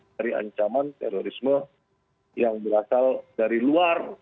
dari ancaman terorisme yang berasal dari luar